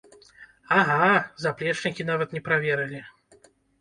Ага, заплечнікі нават не праверылі!